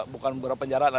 bukan berapa penjaraan